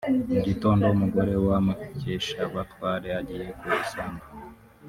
Mu gitondo umugore wa Mukeshabatware agiye ku isambu